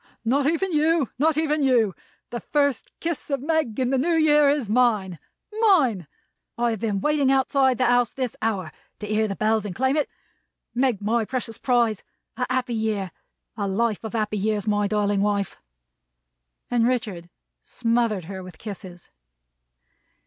"Not even you. Not even you. The first kiss of Meg in the New Year is mine. Mine! I have been waiting outside the house this hour to hear the Bells and claim it. Meg, my precious prize, a happy year! A life of happy years, my darling wife!" And Richard smothered her with kisses.